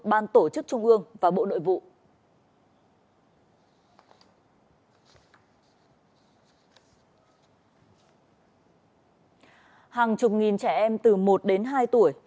hàng chục nghìn trẻ em từ một đến hai tuổi